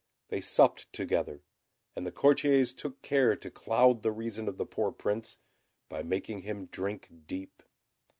They supped together; and the courtiers took care to cloud the reason of the poor Prince, by making him drink deep.